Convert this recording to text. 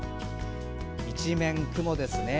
一面雲ですね。